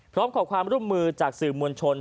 พร้อมขอความร่วมมือจากสื่อมวลชน